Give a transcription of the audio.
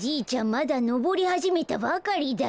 まだのぼりはじめたばかりだよ。